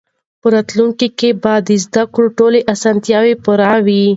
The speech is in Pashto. په راتلونکي کې به د زده کړې ټولې اسانتیاوې پوره وي.